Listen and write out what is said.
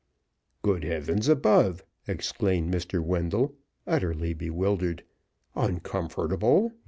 "Good heavens above!" exclaimed Mr. Wendell, utterly bewildered. "Uncomfortable!